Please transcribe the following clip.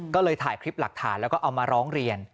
ก็เลยถ่ายคลิปหลักฐานแล้วก็เอามาร้องเรียน